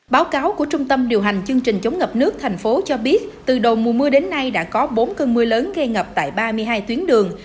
báo cáo của trung tâm điều hành chương trình chống ngập nước thành phố cho biết từ đầu mùa mưa đến nay đã có bốn cơn mưa lớn gây ngập tại ba mươi hai tuyến đường